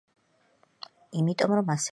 იმიტომ რომ ასეულს ვაკლებთ.